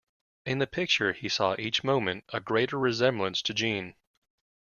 In the picture he saw each moment a greater resemblance to Jeanne.